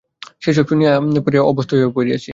সে-সব শুনিয়া শুনিয়া অভ্যস্ত হইয়া পড়িয়াছি।